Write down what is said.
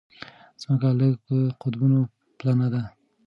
ځمکه لږه په قطبونو پلنه ده.